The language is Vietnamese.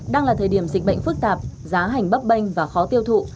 đang là thời điểm dịch bệnh phức tạp giá hành bấp bênh và khó tiêu thụ